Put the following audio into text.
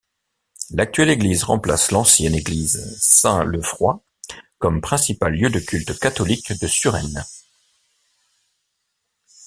L'actuelle église remplace l'ancienne église Saint-Leufroy comme principal lieu de culte catholique de Suresnes.